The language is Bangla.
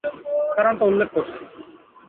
কারণটা উল্লেখ করছি!